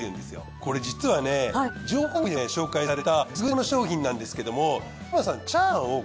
これ実はね情報番組でもね紹介された優れもの商品なんですけども志真さん。